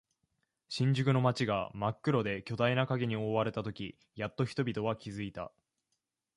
新宿の街が真っ黒で巨大な影に覆われたとき、やっと人々は気づいた。